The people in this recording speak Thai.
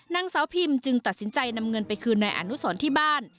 นางสาวพิมจึงตัดสินใจนำเงินไปคืนนายอนุสรที่บ้าน